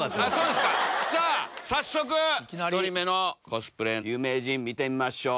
早速１人目のコスプレ有名人見てみましょう。